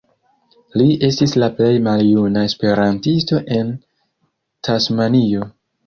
Li estis la plej maljuna esperantisto en Tasmanio.